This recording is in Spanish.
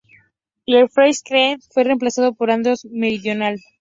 Y el de Fresh Creek fue remplazado por Andros Meridional.